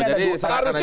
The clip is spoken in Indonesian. jadi serahkan aja